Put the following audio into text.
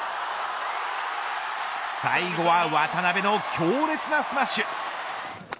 最後は渡辺の強烈なスマッシュ。